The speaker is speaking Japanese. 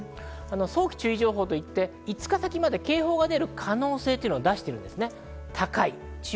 早期注意情報といって、５日先まで警報が出る可能性を知らせています。